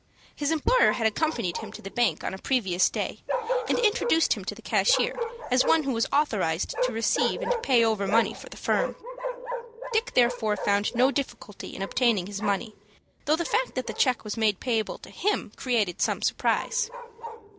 His employer had accompanied him to the bank on a previous day, and introduced him to the cashier as one who was authorized to receive and pay over money for the firm. Dick therefore found no difficulty in obtaining his money, though the fact that the check was made payable to him created some surprise.